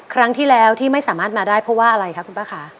ครั้งที่แล้วที่ไม่สามารถมาได้เพราะว่าอะไรคะคุณป้าค่ะ